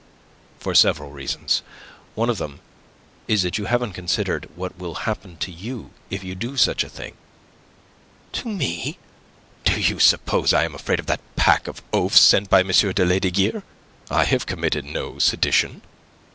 "For several reasons. One of them is that you haven't considered what will happen to you if you do such a thing." "To me? Do you suppose I am afraid of that pack of oafs sent by M. Lesdiguieres? I have committed no sedition."